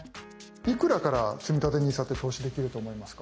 いくらからつみたてＮＩＳＡって投資できると思いますか？